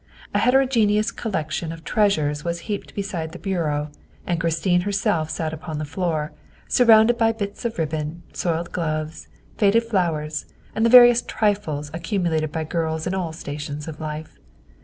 '' A heterogeneous collection of treasures was heaped beside the bureau, and Christine herself sat upon the floor, surrounded by bits of ribbon, soiled gloves, faded flowers, and the various trifles accu mulated by girls in all stations of life.